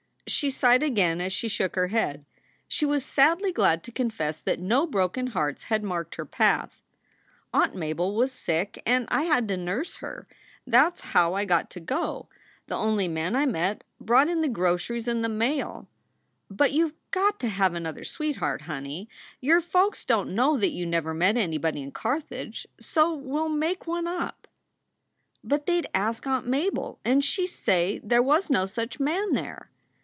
She sighed again as she shook her head. She was sadly glad to confess that no broken hearts had marked her path : "Aunt Mabel was sick and I had to nurse her. That s how I got to go. The only men I met brought in the groceries and the mail." "But you ve got to have another sweetheart, honey. Your folks don t know that you never met anybody in Carthage. So we ll make one up." "But they d ask Aunt Mabel, and she d say there was no such man there."